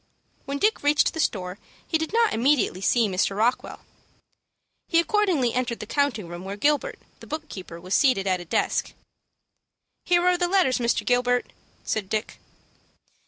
When Dick reached the store, he did not immediately see Mr. Rockwell. He accordingly entered the counting room where Gilbert, the book keeper, was seated at a desk. "Here are the letters, Mr. Gilbert," said Dick.